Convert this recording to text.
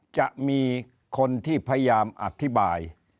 จะมีคนที่พยายามอธิบาย